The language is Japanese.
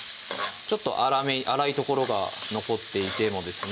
ちょっと粗い所が残っていてもですね